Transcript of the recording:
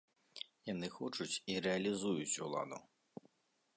Яны хочуць і рэалізуюць уладу.